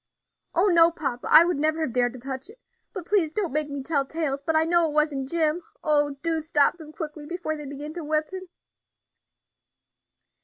"Oh! no, papa, I would never have dared to touch it. But please don't make me tell tales; but I know it wasn't Jim. Oh! do stop them quickly, before they begin to whip him."